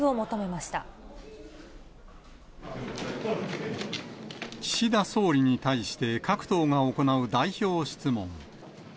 ま岸田総理に対して、各党が行う代表質問。